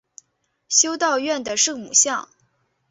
修道院的圣母像。